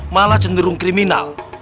malah cenderung kriminal